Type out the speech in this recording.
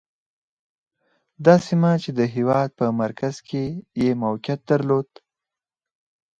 دا سیمه چې د هېواد په مرکز کې یې موقعیت درلود.